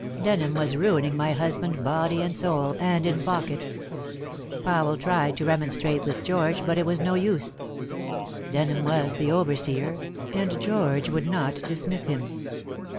Denham was ruining my husband body and soul, and in pocket. Powell tried to remonstrate with George, but it was no use. Denham was the overseer, and George would not dismiss him.